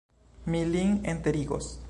Mi lin enterigos.